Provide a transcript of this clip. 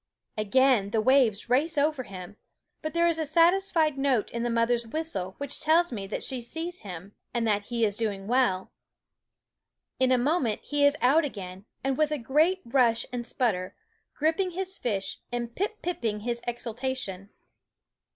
Again the waves race over him ; but there is a satisfied note in the mother's whistle which tells me that she sees him, and that "GRIPPING HIS FISH AND PIP PIPPING HIS EXULTATION" he is doing well. In a moment he is out again, with a great rush and sputter, gripping his fish and pip pipping his exultation.